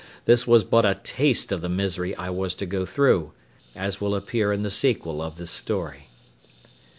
this was but a taste of the misery I was to go through, as will appear in the sequel of this story.